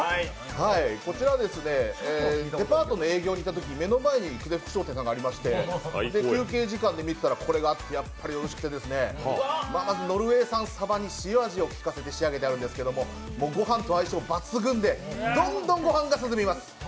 こちら、デパートの営業に行ったときに目の前に、久世福商店さんがありまして休憩時間で見てたらこれがあってやっぱりおいしくてノルウェー産のさばに塩味を効かせて仕上げてあるんですけどご飯と相性抜群でどんどんご飯が進みます。